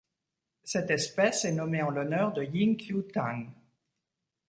Cette espèce est nommée en l'honneur de Ying-qiu Tang.